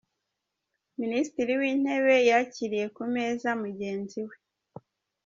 Minisitiri w’Intebe yakiriye ku meza mugenzi we